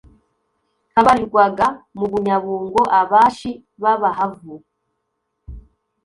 habarirwaga mu Bunyabungo Abashi bAbahavu